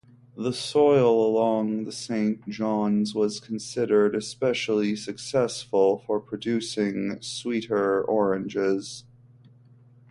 The soil along the Saint Johns was considered especially successful for producing sweeter oranges.